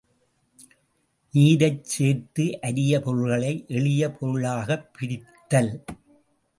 நீரைச்சேர்த்து அரிய பொருள்களை எளிய பொருள்களாகப் பிரித்தல்.